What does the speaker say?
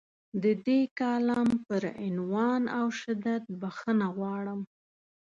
د دې کالم پر عنوان او شدت بخښنه غواړم.